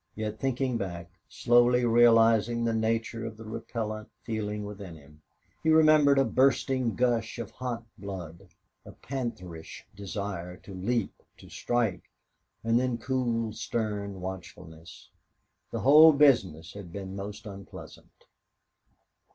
Yet thinking back, slowly realizing the nature of the repellent feeling within him, he remembered a bursting gush of hot blood, a pantherish desire to leap, to strike and then cool, stern watchfulness. The whole business had been most unpleasant.